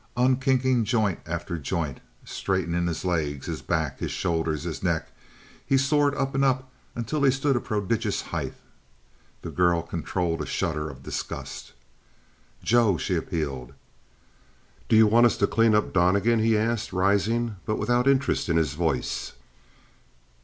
Unkinking joint after joint, straightening his legs, his back, his shoulders, his neck, he soared up and up until he stood a prodigious height. The girl controlled a shudder of disgust. "Joe!" she appealed. "You want us to clean up Donnegan?" he asked, rising, but without interest in his voice.